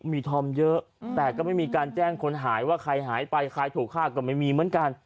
มีธอมเยอะแต่ก็ไม่มีการแจ้งคนหายว่าใครหายไปใครถูกฆ่าก็ไม่มีเหมือนกัน